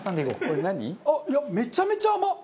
いやめちゃめちゃ甘っ！